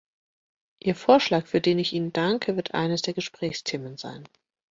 Ihr Vorschlag, für den ich Ihnen danke, wird eines der Gesprächsthemen sein.